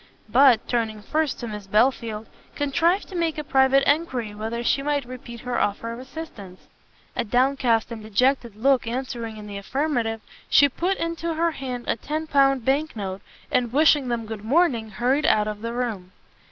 But, turning first to Miss Belfield, contrived to make a private enquiry whether she might repeat her offer of assistance. A downcast and dejected look answering in the affirmative, she put into her hand a ten pound bank note, and wishing them good morning, hurried out of the room.